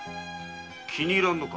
気に入らんのか？